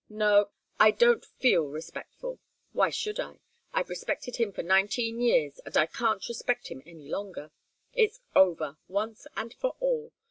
No I don't feel respectful. Why should I? I've respected him for nineteen years, and I can't respect him any longer. It's over, once and for all.